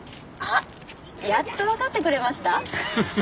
あっやっとわかってくれました？